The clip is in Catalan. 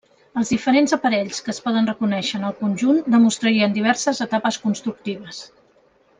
Els diferents aparells que es poden reconèixer en el conjunt demostrarien diverses etapes constructives.